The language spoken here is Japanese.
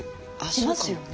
しますよね？